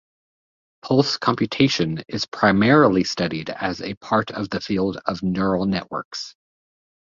Pulse computation is primarily studied as part of the field of neural networks.